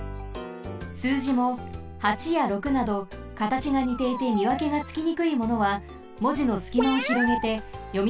すうじも８や６などかたちがにていてみわけがつきにくいものはもじのすきまをひろげてよみ